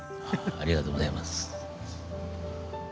ありがとうございます。